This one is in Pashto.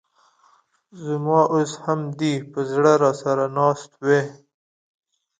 ز ما اوس هم دي په زړه راسره ناست وې